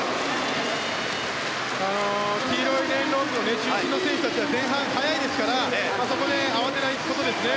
黄色いロープの中心の選手たちは前半速いですから、そこで慌てないことですね